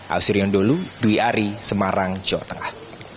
ausri yondolu dwi ari semarang jawa tengah